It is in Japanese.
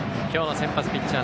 先発ピッチャー